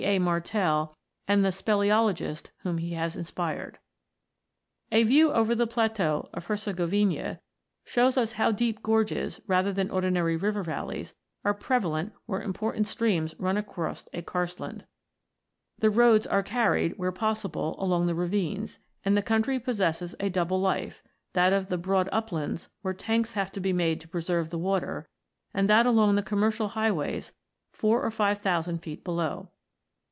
A. Martel and the " speleologists " whom he has inspired. A view over the plateau of Hercegovina shows us how deep gorges, rather than ordinary river valleys, are prevalent where important streams run across a karstland (Fig. 4). The roads are carried, where possible, along the ravines, and the country possesses a double life, that of the broad uplands, where tanks have to be made to preserve the water, and that along the commercial highways, four or five thousand feet below.